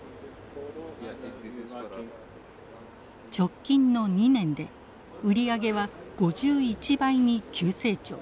直近の２年で売り上げは５１倍に急成長。